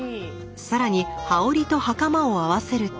更に羽織と袴を合わせると。